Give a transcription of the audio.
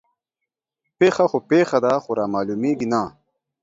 پيښه خو پيښه ده خو رامعلومېږي نه